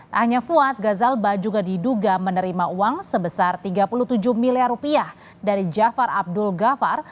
tak hanya fuad gazalba juga diduga menerima uang sebesar tiga puluh tujuh miliar rupiah dari jafar abdul ghafar